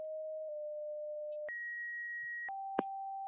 তার পিতা প্রসন্নকুমার গুহ এবং মাতা মানদাবালা।